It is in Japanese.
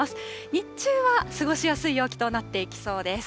日中は過ごしやすい陽気となっていきそうです。